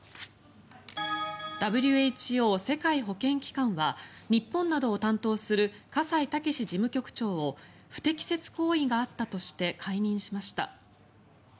ＷＨＯ・世界保健機関は日本などを担当する葛西健事務局長を不適切行為があったとして解任しました。